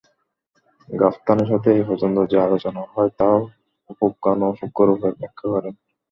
গাতফানের সাথে এ পর্যন্ত যে আলোচনা হয় তাও পুঙ্খানুপুঙ্খরূপে ব্যাখ্যা করেন।